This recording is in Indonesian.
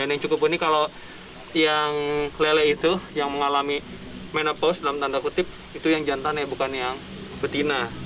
dan yang cukup unik kalau yang lele itu yang mengalami menopaus dalam tanda kutip itu yang jantan ya bukan yang betina